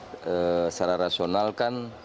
secara rasional kan